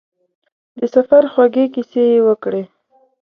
د سفر خوږې کیسې یې وکړې.